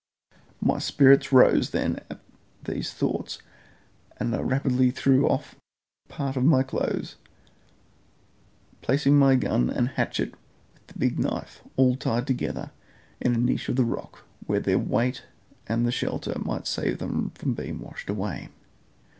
My spirits rose then at these thoughts, and I rapidly threw off part of my clothes, placing my gun and hatchet with the big knife, all tied together, in a niche of the rock, where their weight and the shelter might save them from being washed away.